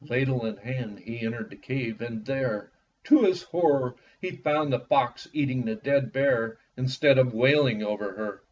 Ladle in hand, he entered the cave and there, to his horror, he found the fox eating the dead bear, instead of wailing over her.